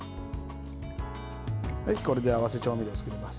これで合わせ調味料を作ります。